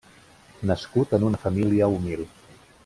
Nascut en una família humil.